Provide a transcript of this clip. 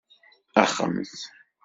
Axemt!